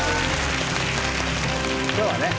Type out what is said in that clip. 今日はね